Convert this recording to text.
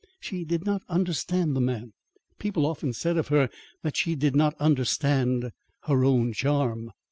She did not understand the man. People often said of her that she did not understand her own charm.